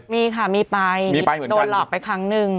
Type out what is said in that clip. มีค่ะมีไปโดนหลอกไปครั้งหนึ่ง